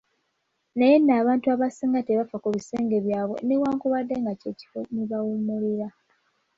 Naye nno abantu abasinga tebafa ku bisenge byabwe newankubadde nga kye kifo we bawummulira.